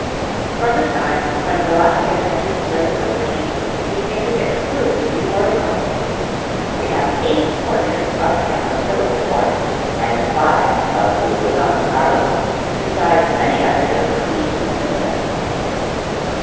From the time when Velasquez entered the service of the King, he painted exclusively for the Court. We have eight portraits by him of Philip IV., and five of the little Don Carlos, besides many others of the queens and princesses.